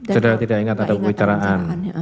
saudara tidak ingat ada pembicaraan